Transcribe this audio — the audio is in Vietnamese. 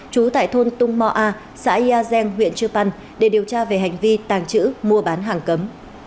chú tại thôn tung mo a xã yia geng huyện chiu pan để điều tra về hành vi tàng trữ mua bán hàng cấm